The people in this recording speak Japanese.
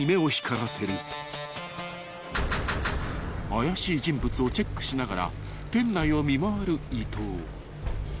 ［怪しい人物をチェックしながら店内を見回る伊東］